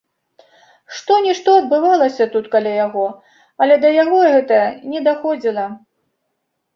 Што-нішто адбывалася тут каля яго, але да яго гэта не даходзіла.